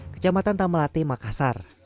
kecamatan tamalate makassar